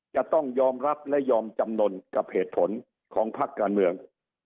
จะต้องยอมรับและยอมจำนวนกับเหตุผลของพักการเมือง